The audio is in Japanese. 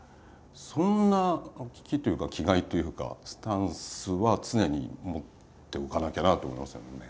そんな危機というか気概というかスタンスは常に持っておかなきゃなと思いますけどもね。